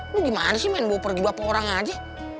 lo gimana sih main bawa pergi bawa orang aja